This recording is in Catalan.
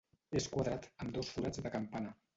És quadrat, amb dos forats de campana.